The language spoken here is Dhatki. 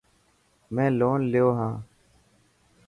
مين لون ليو هاڻ.